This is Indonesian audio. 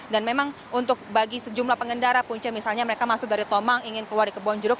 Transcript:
dan memang untuk bagi sejumlah pengendara punca misalnya mereka masuk dari tomang ingin keluar di kebonjeruk